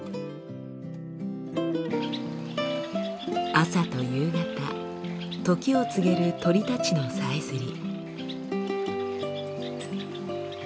朝と夕方時を告げる鳥たちのさえずり。